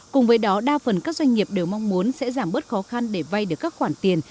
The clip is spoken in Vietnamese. cùng với đó đa phần các doanh nghiệp đều mong muốn sẽ giảm bớt khó khăn để vay được các khoản tiền